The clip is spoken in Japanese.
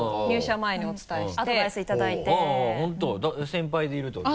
先輩でいるってこと？